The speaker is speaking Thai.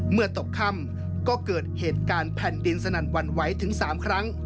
เมื่อตกค่ำก็เกิดเหตุการณ์แผ่นดินสนั่นหวั่นไหวถึง๓ครั้ง